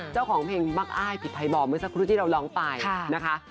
เจ้าของเพลงมักอ้ายผิดภัยบอกเมื่อสักครู่ที่เราร้องไปนะคะ